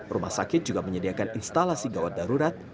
rumah sakit juga menyediakan instalasi gawat darurat